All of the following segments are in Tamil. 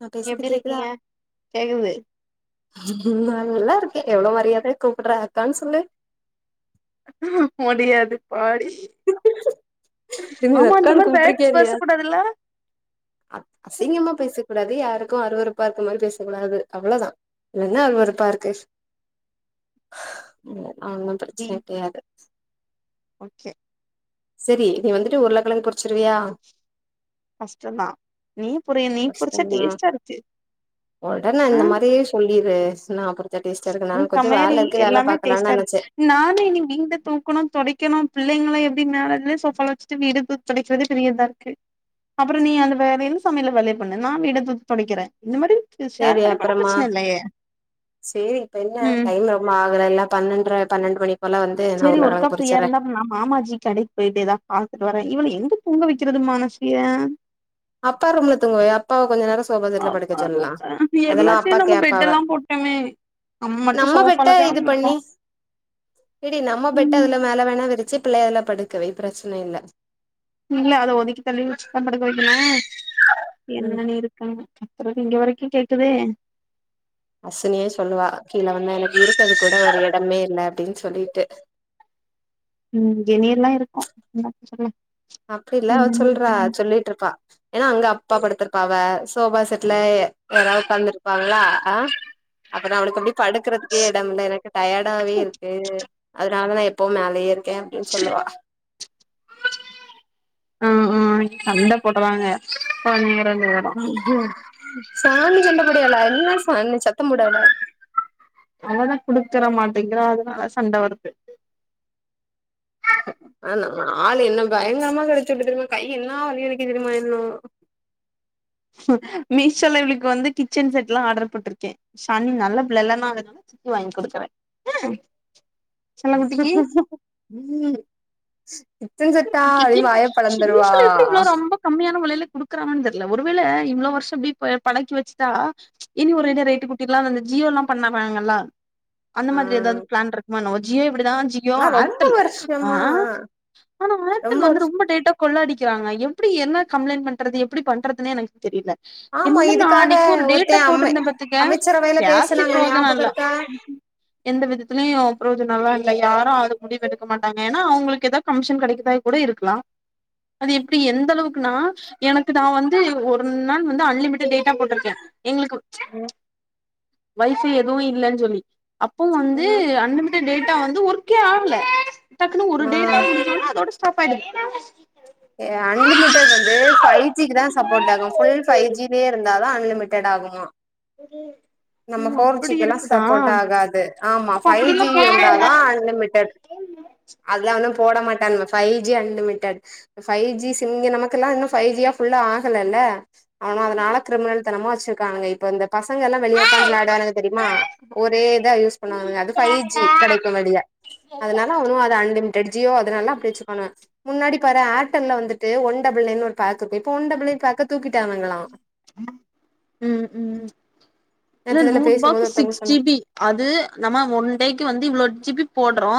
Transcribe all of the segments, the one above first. நா பேச்றது எப்டி கேக்குதா இருக்கீங்க கேக்குது நல்லாருக்கேங்க எவ்ளோ மரியாதையா கூப்பிட்றாங்கக்கான் சொல்லு முடியாது பாடி நீ ஆமா அந்த அக்கான்னு மாரி வேர்ட்ஸ் பேச கூடாதுல்ல அ அசிங்கமா பேசக் கூடாது யாருக்கு அருவருப்பா இருக்க மாரி பேசக்கூடாது அவ்ளதா இதுல என்ன அருவருப்பாருக்கு இல்ல அதலாம் டி பிரச்சன டையாது ஓகே செரி நீ வந்துட்டு உருளக்கெழங் பொரிச்சுருவியா கஷ்டந்தா நீயே பொரியே நீ பொரிச்சா கஷ்டமா டேஸ்ட்டாருக்கு ஆ புள்ளி ரேஸ் நாம் பொரிச்சா டேஸ்டாருக்கு நா கொஞ்ச வேலருக்கு வேல பாக்கலான் நெனச்சே நானு இனி வீட தூக்கணு தொடைக்கணு பிள்ளைங்கல எப்டி மேலேஜ்ல ஷோஃபால வச்சுட்டு வீட தூக் தொடைக்கிறது பெரிய இதாருக்கு அப்பற நீ அந்த வேலையலு சமையலு வேலைய பண்ணு நா வீட தூக் தொடைக்கிறே இந்த மேரி இது ஷேர் பண்ணி போனா அப்பறமா பிரச்சன இல்லயே செரி இப்ப என்ன டைம் ரொம்ப ஆகல இல்ல பன்னெண்ற பன்னெண்டு மணிக்கு போல வந்து நா செரி ஒர்க்கா உருளக்கெழங்கு பொரிச்சர்றே ஃப்ரீயா இருந்தா நா மாமாஜி கடைக் போய்டே தா பாத்துட்டு வரே இவள எங்க தூங்க வக்கிறது மனசிய அப்பா ரூம்ல தூங்க வை அப் அப்பாவ கொஞ்ச நேர சோபா செட்டுல படுக்க அப்பா சொல்லலா ரொம்ப அதெல்லா அப்பா எல்லாத்தையு நம்ம பெட் கேப்பாவ எல்லா போட்டோமே மட்டு நம்ம சோஃபால பெட்ட இது கெடந்து இருக்கோ பண்ணி இடி நம்ம பெட்டு அதுல மேல வேணா விரிச்சு பிள்ள எல்லா படுக்க வை பிரச்சனை இல்ல இல்ல அத ஒதுக்கி தள்ளி வச்சுதா படுக்க வைக்கணு ம் என்னன்ன இருக்குன்னு தெரி எனக்கு இங்க வரைக்கு கேக்குதே அஸ்னியே சொல்லுவா கீழே வந்தா எனக்கு இருக்கறதுக்கு கூட ஒரு இடமே இல்ல அப்டின் சொல்லிட்டு உம் வெநீர் எல்லா இருக்கு என்னத்த சொல்ல அப்டிலா அவ என்னன்னு சொல்றா இருக்கறாங்க சொல்லிட்டு இருப்பா ஏன்னா அவுங்க அப்பா படுத்திருப்பாவ சோபா செட்ல யாராவது உட்காந்துருப்பாங்களா ஆ அப்பதா அவளுக்கு அப்டி படுக்கறதுக்கே எடம் இல்ல எனக்கு டயர்டாவே இருக்கு அதனாலதா எப்பவு மேலயே இருக் ஏ அப்டின் சொல்லுவா ஆ ஆ சண்ட போடுறாங்க பனிரெண்டு வரோ ம் சாணி சண்ட போடயல என்ன சாணி சத்த போடாதா அததா குடுக்கற மாட்டேங்கிறா அதனால சண்ட வருது ஆ ஆள் என்ன பயங்கரமா கடிச்சு விட்டு தெரியுமா கை என்ன வலி வலிக்கு தெரியுமா இன்னோ மீஷோல இவளுக்கு வந்து கிச்சன் செட்லா ஆர்டர் போட்ருக்கே ஷன் நல்லா பிள்ளள நா அதுனால சித்தி வாங்கி குடுக்குறே ம் உம் கிச்சன் செட்டா அப்டி வய பொலந்துருவா மீஷோல எப்டி இவ்ளோ ரொம்ப கம்மியான வெலைல குடுக்குறாங்கனு தெரில ஒருவேள இந்த வருஷோ எப்டி பழக்கி வச்சுட்டா இனி ஒரு இது ரேட்டு கூட்டிர்லா அந்த ஜியோ எல்லா பண்ணாங்கல்லா அந்த ஆ மாரி ஏதாவது பிளான் இருக்குமா என்னவொ ஜியோ இப்டிதா ஜியோ ஆனா ரொம்ப ஏர்டெல் ஆ வருஷமா ஆனா ஏர்டல் வந்து ரொம்ப டேட்டா கொள்ளடிக்கிறாங்க எப்டி என்ன கம்ப்ளைண்ட் பண்றது எப்டி பண்றதுனே எனக்கு தெரில ஆமா இன்ன நா இதுக்காக அன்னைக்கு ஒரு டேட்டா ஒருத்தன் அம்மை போட்டிருந்த பாத்துக்க அமைச்சரவையில பேசி பேசுனாங்க பிரோஜனோ ஞாபகம் இல்ல இருக்கா எந்த விதத்துலயு ப்ரோஜனலா இல்ல யாரோ அதுக் முடிவு எடுக்க மாட்டாங்க ஏன்னா அவங்களுக்கு ஏது கமிஷன் கெடைக் இதா கூட இருக்கலா அது எப்டி எந்த அளவுக்குனா எனக்கு நா வந்து ஒரு நாள் வந்து அன்லிமிடட் டேட் போட்டிருக்கே எங்களுக்கு வயசு எதுவு இல்லன் சொல்லி அப்போ வந்து ம் அன்லிமிடட் டேட்டா வந்து ஒர்க்கே ஆகல டக்குன்னு ஒரு ஆ டேட்டா முடிஞ்ச ஒடனே ஸ்டாப் படி அன்லிமிட் வந்து ஃபைஜிக்கு தா சப்போர்ட் ஆகோ ஃபுல் ஃபைவ் ஜிலயே இருந்தா தா அன்லிமிட் ஆகுமா உம் நம்ம ஃபோர் ஜிக்குல்லா சப்போர்ட் ஆகாது ஆமா அப்ப ஃபைவ் ஜி அப்டில்லா போடவே இருந்தா தா அன்லிமிடெட் அதுலா வந்து போட மாட்டா நம்ம five G unlimited five G sim இங்க நமக்கெல்லா இன்னு ஃபைவ் ஜியா புல்லா ஆகலல்ல அகாதனால கிரிமினல் தனமா வச்சிருக்காங்க இப்ப இந்த பசங்க எல்லா வெளிய உக்காந்து வெளாடுணுவாங்க தெரியுமா ஒரே இதா யூஸ் பண்ணுவாங்க அது ஃபை ஜி கெடைக்கு வெளிய அதனால அவனு அது அன்லிமிடெட் ஜியோ அதனால அப்டி வச்ருக்காங்க முன்னாடி பாறே ஏர்டல்ல வந்துட்டு ஒன் டபுள் நைனு ஒரு பேக் இருக்கு இப்ப ஒன் டபுள் நைன் பேக்க தூக்கிட்டாங்களா ம் ம் இல்ல நேத்து இதுல பேசும்போது நூறுபாக்கு ஒருத்தவங்க சிக்ஸ் ஜி சொன்னாங்க பி அது நம்ம ஒன் டேக்கு வந்து இவ்ளோ ஜி பி போட்றோ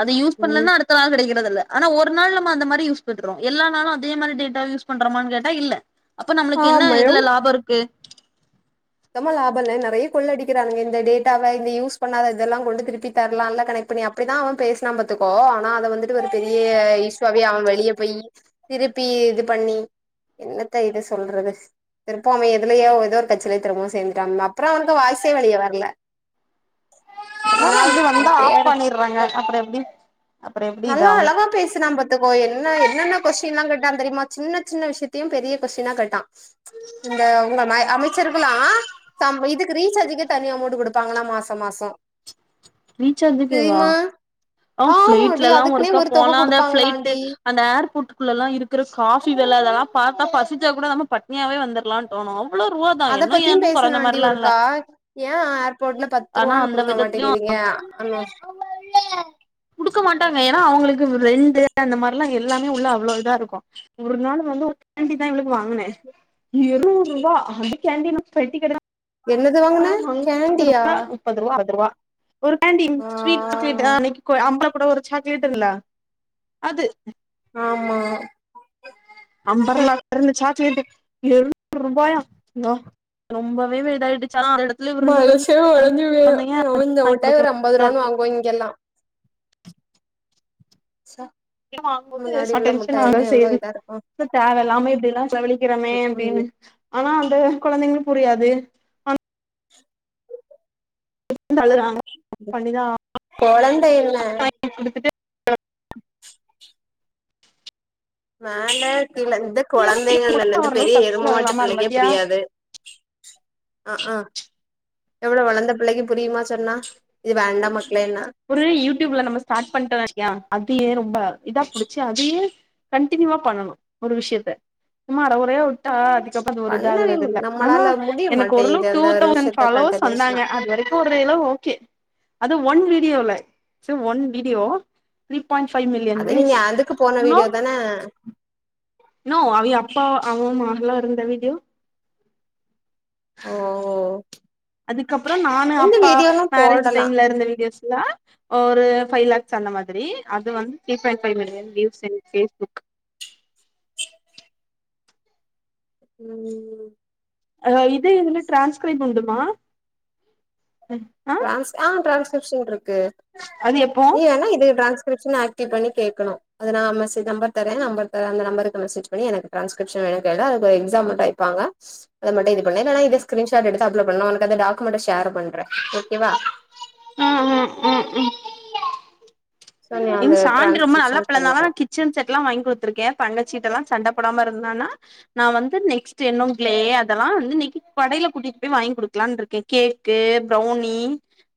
அது யூஸ் ம் பண்லனா அடுத் த்த நாள் கெடைக்றதுல்ல ஆனா ஒரு நாள் நம்ம அந்த மாரி யூஸ் பண்றோ எல்லா நாளு அதே மாரி டேட்டா யூஸ் பண்றமான்னு கேட்டா இல்ல அப்ப நம்மளுக்கு என்ன ஆமா இதுல லாப இருக்கு த்தமா லாபல்ல நெறையா கொள்ள அடிக்கிறானுங்க இந்த டேட்டாவ இந்த யூஸ் பண்ணாத இதெல்லா கொண்டு திருப்பி தர்லால கனெக்ட் பண்ணி அப் அப்டிதா அவ பேசுனா பாத்துக்கோ ஆனா அத வந்துட்டு ஒரு பெரிய இஷ்வாவே அவ வெளிய போயி திருப்பி இது பண்ணி என்னத்த இத சொல்றது திருப்போ அவ எதுலயோ எதோ ஒரு கட்ச் சிலே திரும்பவு சேர்ந்துடாம் அப்றோ அவனுக்கு வாய்சே வெளிய வர்ல ஒரு இருந்தாலு நாள் இப்டி அவ வந்தா ஆஃப் பேரு பண்ணிடுறாங்க அப்புறோ எப்டி அப்புறோ எப்டி நல்லா இதாவு அழகா பேசுனா பாத் துக்கோ என்ன என்னென்ன கொஷ்டின்லா கேட்டா தெரியுமா சின்ன சின்ன விஷ்யத்தையு பெரிய கொஷ்டினா கேட்டா இந்த உங்க மை அமித் துக்குலா சம் இதுக்கு ரீச்சார்ஜுக்கே தனி அமௌண்ட் குடுப்பாங்களா மாச மாசோ ரீச்சார்ஜுக்கேவா தெரியுமா ஆ ஆமாடி ஃப்ளைட்லலா அதுக்குன்னே ஒருக்கா ஒரு தொகை போனா அந்த ஃப்ளைட்டு குடுப்பாங்களாண்டி அந்த ஏர்போர்டுக்குள்ளலா இருக்குற காஃபி வெல இதெல்லா பாத்தா பசிச்சா கூட நம்ம பட்னியாவே வந்துர்லானு தோணு அவ்ளோ ரூவாதா அத இன்னு பத்தியு ஏன்னு கொறைஞ்ச பேசுனான்டி மாரிலா இல்ல ஒருக்கா ஏ அ ஆர்போர்ட்ல பத்து ஆனா ரூவான்னு அந்த குடுக்க விதத்துலயு மாட்டிங்கிறீங்க அன்னோ குடுக்க மாட்டாங்க ஏனா அவ்ங்களுக்கு ரெண்டு அந்த மார்லா எல்லாமே உள்ள அவ்ளோ இதா இருக்கு ஒரு நாள் வந்து ஒரு கேண்டி தா இவளுக்கு வாங்குனே எழுவ்ரூபா அந்த கேண்டி நா பெட்டி கடைதா என்னது வாங்குன கேண்டியா ரூபா முப்பது ரூவா அறுவதுரூவா ஒரு கேண்டி ஆ ஸ்வீட் [inaudible] அன்னக்கி கூ அம்பளக்கூட ஒரு சாக்லேட் இருக்குல அது ஆமா அம்பர்லா [inaudible] சாக்லேட்டு எழு [inaudible] ரூபாயா நா ரொம்பவே இதா இதாயிடுச்சு [unintelligible] மனசே ஒடஞ்சி போய்ரு இவ் இந்த வாங்கி முட்டாய் ஒரு அம்பது கொடுக்க ரூவான்னு இருக்கு வாங்குவோ இங்கெல்லா ச எட வாங்கும்போது சம் டென்சன் ஆகதா செய்யுது இதா இருக்கு துக்கு தேவ இல்லாமே இப்டிலா செல வழிக்கிறமே அப்டினு ம் ஆனா வந்து கொழந்தைங்ளுக்கு புரியாது [unintelligible] கொழந்தைன்ன அ குடுத்துட்டு மேல கீழ இந்த கொழந்தைங்கள்லலருந்து ஓரளவு பெரிய சக்சஸ் எருமமாட்டு ஆகலாமா பிள்ளைக்கே பாத்தியா புரியாது அ ஆ எவ்ளோ வளந்த பிள்ளைக்கு புரியுமா சொன்னா இது வேண்டா மக்ளேன்னா ஒரு யூட்யூப்ல நம்ம ஸ்டார்ட் பண்ட்டோ வச்சிக்யே அதுயே ரொம்ப இதா புடிச்சு அதயே கண்டினியூவா பண்ணணு ஒரு விஷ்யத்த சும்மா அரகொறையா ஒரு வுட்டா அதுக்கப்ற அது ஒரு பண்ணவே இதாகுறது முடி இல்ல ஆனா நம்மளால முடிய எனக்கு மாட்டேங்குது ஒரளுவு டூ அந்த ஒரு தவுசன் விஷயத்த ஃபாலோவர்ஸ் வந்தாங்க கண்டினியூஷனா அது வரைக் வரைக்கும் க்கு ஓரளவு ஓகே அது ஒன் வீடியோல so one video three point five million views இன்னு நா நோ அவிக அப்பா அவ மாெதல இருந்த வீடியோ ஓஓஓ அதுக்கப்றோ நானு அப்பா மேரேஜு போடலா டைம்ல இருந்த வீடியோஸ்லா ஒரு ஃபைவ் லேக்ஸ் அந்த மாதிரி அது வந்து three point five million views என்ன ஃபேஸ்புக் ம் அ இது இதுல டிரான்ஸ்கிரிப் உண்டுமா அ அ டிரான்ஸ் ஆ டிரான்ஸ்கிரிப்ஷன் ருக்கு அது எப்போ நீ வேணா இது டிரான்ஸ்கிரிப்ஷன் ஆ பண்ணி கேக்கணு அது நா மெசேஜ் நம்பர்தர நம்பர்தர அந்த நம்பருக்கு மெசேஜ் பண்ணி எனக்கு டிரான்ஸ்கிருப்சன் வேணும்னு கேளுஅதுக்ஒரு எக்ஸாம் வைப்பாங்க அத மட்டு இது பண்ண இல்லனா இத ஸ்கிருன்ஷாட் எடுத்து அப்லோட் பண்ணு நா உனக்கு அந்த டாக்குமெண்ட ஷேர் பண்ற ஓகே வா ம் ம் ம் ம் சோ நீ ண் அந்த சாந்து ரொம்ப நல்ல டிரான்ஸ்கிரிப்ஷன் புள்ளனாலான்த பண்ணிக்கோ கி கிச்சன் செட்ல்லா வாங்கி கூத்துருக்கே தங்கச்சீட்டெல்லா சண்டபோடம இருந்தான்னா நா வந்து நெக்ஸ்ட் என்னும் கிளே அதெல்லா வந்து இன்னிக்கி கடையில கூட்டிட்டு போய் வாங்கி குடுக்கலானுருக்கே கேக்கு ப்ரௌனி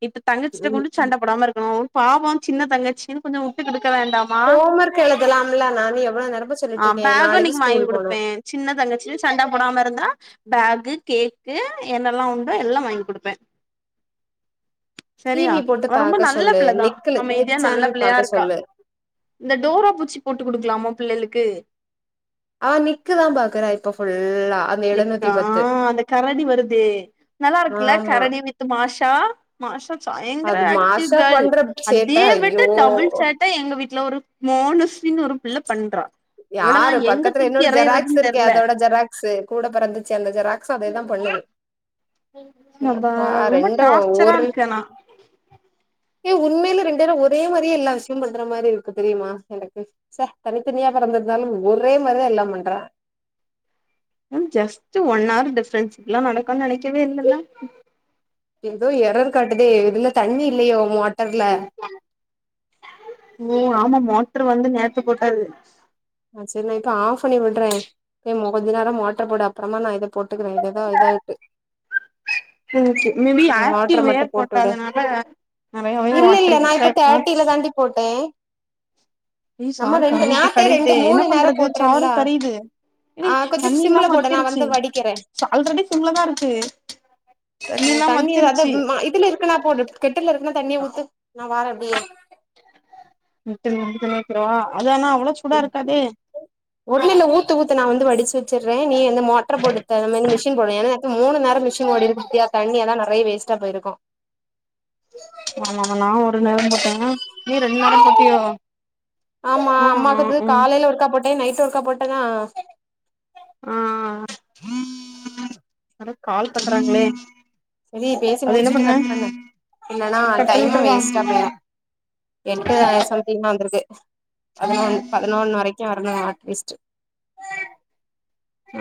இப்ப தங்கச்சிட்ட கொண்டு ம் சண்டபோடம இருக்கணு பாவோ சின்ன தங்கச்சுனு கொஞ்சோ உட்டு கொடுக்க வேண்டாம ஹோம் ஒர்க் எழுதலாம்ல நானு எவ்வளோ நேரமா ஆ சொல்லிட்டு இருக்கே பேகு நாளைக்கு இன்னைக்கு வாங்கி ஸ்கூல் போனு குடுப்பே சின்ன தங்கச்சினு சண்ட போடாம இருந்தா பேகு கேக் கு என்னெல்லா உண்டோ எல்லா வாங்கி குடுப்பே சரியா டிவி போட்டு அவன் ரொம்ப பாக்க நல்ல சொல்லு பிள்ள தா நிக்கலு நிக் அமைதியா நல்ல சேனல் பிள்ளையா பாக்க ருக்கா சொல்லு இந்த டோரா பூஜ்ஜி போட்டு குடுக்கலாமா பிள்ளைகளுக்கு ஆ நிக்கு தா பாக்குற இப்ப ஃபுல்லா அந்த நிக்கா எழுநூத்தி பத்து அந்த கரடி வருதே நல்லா இருக்குல்ல ஆமா கரடி வித்து மாஷா மாஷா சயங்கர அது மாசா ஆக்டிவ்கேள் பண்ற சேட்ட அதே விட்டு ஐயோ டபுள் சேட் ட எங்க வீட்ல ஒரு மோனஸி‌‍‍‌‌னு ஒரு பிள்ள பண்றா இவளெல்லா யாரு எங்க பக்கத்துல தூக்கி இன்னொரு ஜெராக்ஸ் எறையறதுன்னு இருக்கே தெர்ல அதோட ஜெராக் ஸ்சு கூட பிறந்துச்சே அந்த ஜெராக்ஸ்சு அதேதா பண்ணுது அப்ப பா ரொம்ப ரெண்டு டார்ச்சரா ஒரு இருக்கு ஆனா ஏ உண்மையில ரெண்டேரு ஒரே மாரிய எல்லா விஷயம் பண்ற மாரி இருக்கு தெரியுமா எனக்கு ச தனித்தனியா பொறந்திருந்தாலு ஒரே மாரிதா எல்லா பண்றா ம் ஜஸ்ட்டு ஒன் ஹார் டிஃப்ரன்ஸ் இப்டிலா நடக்கனு நனைக்கவே இல்லல்ல ஏதோ எர்ரர் காட்டுதே இதுல தண்ணி இல்லையோ மோட்டர்ல ஓ ஆமா மோட்டர் வந்து நேத்து போட்டது ஆ சரி நா இப்ப ஆஃப் பண்ணி விடுறே ஏமா கொஞ்ச நேரோ மோட்டர் போடு அப்பறமா நா இத போட்டுக்குறே இது எதோ இதா இருக்கு ம் ஓகே மேபி ஆக்டிவ் வேர் போட்டு விடு போட்டதனால நறையாவே இல்ல இல்ல நா வாட்ரிங்சா இப்ப இருக் மாத் தேர்ட்டில தாண்டி போட்டே நம்ம சாறு ரெண்டு கரையுது நாத்தே ரெண் டு கரையுதே என்ன மூணு நேரம் பண்றது சாறு போட்றேம்லா கரையுது ஏடி ஆ கொஞ்ச‌ தண்ணி சிம்ள இல்லாம போடு நா வத்திருச்சு வந்து வடிக்கிறே ஆல்ரெடி சிம்ல தா இருக்கு ஓ இல்லாம தண்ணி அத வத்திருச்சு ம் மா இதுல இருக்கனா போடு கெட்டில்ல இருக்குனா தண்ணிய ஊத்து நா வாரே அப்டியே கெட்டில்ல இருக்கதே ஊத்திரவா அது ஆனா அவ்ளோ சூடா இருக்காதே ஒன்னு இல்ல ஊத்து ஊத்து நா வந்து வடிச்சு வச்சிறே நீ வந்து மோட்டர போடு த ம் மிஷின் போடு ஏன்னா மூணு நேரோ மிஷின் ஓடிருக்கு பாத்தியா தண்ணியெல்லா நறைய வேஸ்டா போட்டிருக்கு ஆமா ஆமா நா ஒரு நேரோ போட்டங்க நீ ரெண்டு நேரம் போட்டியோ ஆமா அ அம்மாக்கு அ ம் காலையில ஒருக்கா போட்டே நைட் ஒர்க்கா போட்டனா ஆ ஆ யாரோ கால் பண்றாங்களே சரி பேசி அது என்ன முடிச்சுட்டு பண்ண கட் பண்ணு இல்லன்னா கட் பண்ணி டைமு விட்டுறவா வேஸ்டா போயிரு எட்டு சம்திங் தா வந்திருக்கு பதுனொன் பதுனொன்னு வரைக்கு வரணு அட்லீஸ்ட்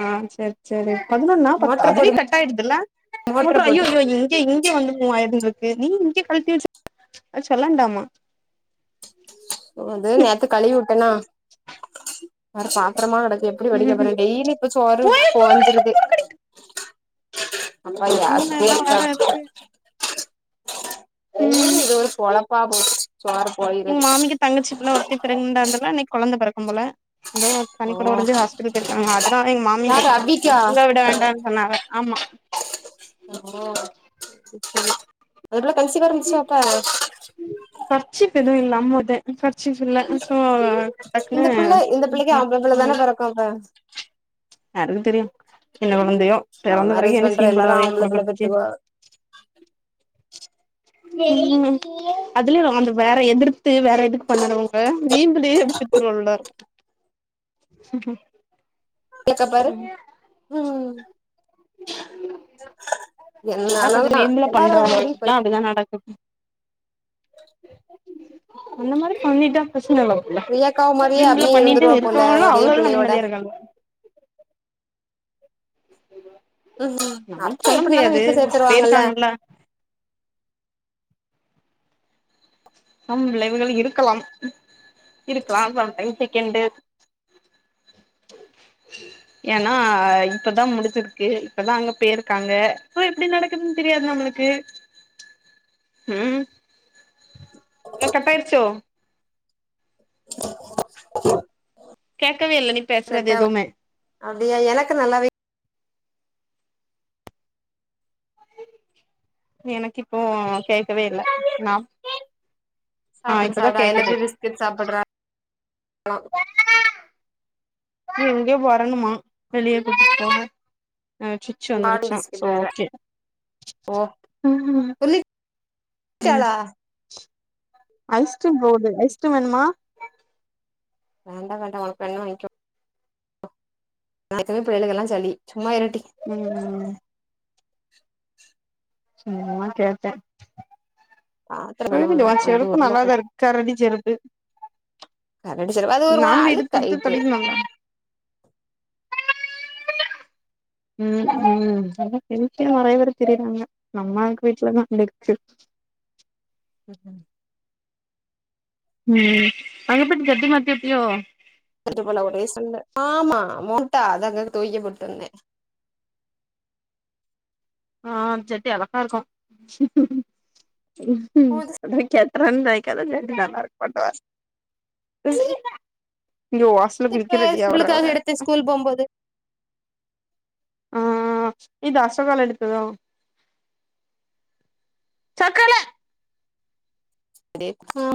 ஆ செர் செரி பதினொன்னா பத்தா மோட்ரு அதுவே போடு கட்டாயிடுதுல மோட்ரு மூட்றா போடு அய்யய்யோயிங் க இங்க வந்து மூவ் ஆயிர்னு இருக்கு நீ இங்க கழ்ட்டி வச்சா அது சொல்லாண்டாமா ஓ அது நேத்து கழுவி வுட்டேனா அட பாத்தரமா கடக்கு எப்டி வடிக்க ம் போறே டெய்லி இப்ப சோறு போய் புடுக்கடி பொகஞ்சுருது [inaudible] மூணு எல்லா வேற இருக்கு ம் டெய்லி இது ஒரு பொழப்பா போச்சு சோறு பொகைறது தங்கச்சிப்புள்ள ஒருத்தி பிரக்ணண்ட் டா இருந்தால இன்னக்கி கொழந்த பெறக்கு போல ஓ பனிக்கொடோ ஒடஞ்சி ஹாஸ்பிட்டல் போயிருக்காங்க அதனாலா எங்க யாரு மாமியார் அபிக்கா அங்க விட வேண்டான் சொன்னாங்க ஆமா ஓ சேரி சேரி அந்தப்புள்ள கன்சிவ் வா இருந்துச்சா அப்ப கர்ச்சிஃப் எது இல்லாம்மதே கர்ச்சிஃப் இல்ல ஸோ இந்த டக்குனுு பிள்ள இந்த பிள்ளைக்கு ஆம்பள [unintelligible] யாருக்கு தெரியு என்ன கொழந்தையோ லவ் பெறந்த பெறகு மேரேஜ் என்ன பண்ற சீன் எல்லாரு போடுவாக எ ஆம்பள புள்ள குடும்பத்துக்கே பெத்துக்கோ [inaudible] அதுலயு நம்ம இந்த வேற எதிர்த்து வேற எதுக்கு பண்ணாதவங்க வீம்பு [unintelligible] க்க பாரு ம் என்ன தா கொஞ்சொ ஆனாலுந்தா வீம்புல எல்லாரு பண்றோவங்களுக்குலா அப்டிதா நடக்கு அந்த மாரி பண்ணிட்டா பிரச்சன இல்ல ரியாக்காவ மாரியே வீம்புல அபியு பண்ணிட்டு இருந்துருவா போல இருப்பாளா ஒரே அவ்ளோளா பிள்ளையோட நிம்மதியா இருக்காங்க ம் அப்ப நம்மளுக்கு சொல்ல எப்டினாலு முடியாது வீட்ல சேத்துருவாங்கல்ல போயிருக்காங்கல்ல சம் விளைவுகள் இருக்கலாம் இருக்லா சம்டைம் செகண்டு அ [inaudible] ஏனா இப்பதா முடிச்சிருக்கு இப்பதா அங்க போய்ருக்காங்க எப்டி நடக்குதுன் தெரியாது நம்மளுக்கு ம் [inaudible] ம் ஏ கட்டாயிட்ச்சோ கேக்கவே இல்ல நீ பேசுறது கட்டா எதுவுமே அப்டியா எனக்கு நல்லாவே எனக்கு இப்போ கேக்கவே இல்ல நா ஆ சாப்ட்டுடு இப்பதா சாப்டு ஐ லவ் கேக்குது யு பிஸ்கட் சாப்புட்றா எங்க வரணுமா வெளிய கூட்டிட்டு போக சு ச்சு காட்டன் வந்துருச்சா பிஸ்கட் சோ வேற ஓகே ஓ [unintelligible] ஐஸ்க்ரீம் போது ஐஸ்க்ரீம் வேணுமா வேண்டா வேண்டா ஒனக் வேண்ணா வாய்ன்க்கோ ஒனக்கு பிள்ளைளுகெல்லா சளி சும்மா இருட்டி ம் சும்மா கேட்டே பாத்திர கழுவணு திருடிடவா வந்து செருப்பு உருளக்கெழ நல்லாதாருக்கு கரடி செருப்பு கரடிச்சிரு அது ஒரு மாரி நானு எடுத்துத்து அழுக்காயிட்டு தடகினாங்க டெம்ட்டியா நறைய பேர் திரியுறாங்க நம்மள்கு வீட்லதா இருக்கு ம் அனுப்புக் ஜட்டி மாத்தி ஊட்டியோ வீட்டுக்குள்ள ஒரே சண்ட ஆமா மோட்டா அது அங்க தொவைக்க போட்டு வந்தே ஆ ஜட்டி அழகாருக்கு அதே ஜட்ரொன் தொவைகாத ஜட்டி [unintelligible] இந்த வாசல் குளிக்க ரெடி ஆவறா அவ ல் போம்போது ஆ இது அசோகால எடுத்ததோ சக்கர அ